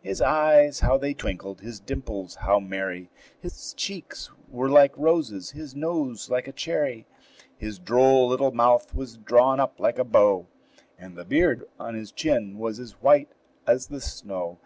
His eyes how they twinkled! his dimples how merry! His cheeks were like roses, his nose like a cherry; His droll little mouth was drawn up like a bow, And the beard on his chin was as white as the snow.